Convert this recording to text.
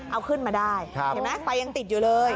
เอาขึ้นมาได้เห็นไหมไฟยังติดอยู่เลย